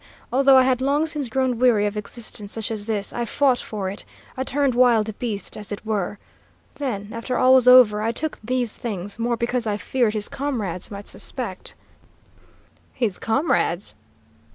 Although I had long since grown weary of existence such as this, I fought for it; I turned wild beast, as it were! Then, after all was over, I took these things, more because I feared his comrades might suspect " "His comrades?"